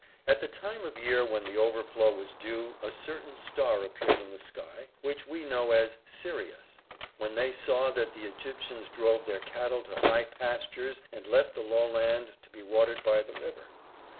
At the time of year when the overflow was due a certain star appeared in the sky, which we know as Sirius. When they saw that the Egyptians drove their cattle to high pastures and left the lowland to be watered by the river.